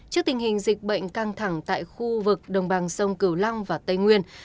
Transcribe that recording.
trước tình hình dịch bệnh căng thẳng tại khu vực đồng bằng sông cửu long và tây nguyên